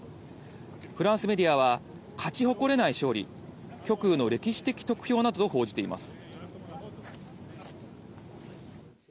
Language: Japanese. フランスメディアは、勝ち誇れない勝利、極右の歴史的得票などと報じています。